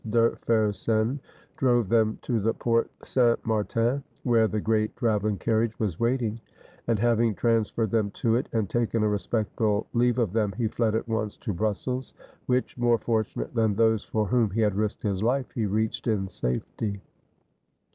De Fersen drove them to the Porte St. Martin, where the great travehng carriage was waiting, and, having transferred them to it, and taken a respectful leave of them, he fled at once to Brussels, which, more fortunate than those for whom he had risked his life, he reached in safety.